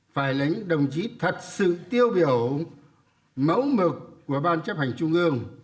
phải lãnh đồng chí thật sự tiêu biểu mẫu mực của ban chấp hành trung ương